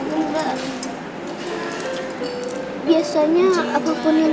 aku lakukan untuk kasih tau bunda